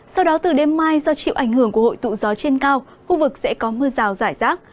sau đó từ đêm mai do chịu ảnh hưởng của hội tụ gió trên cao khu vực sẽ có mưa rào rải rác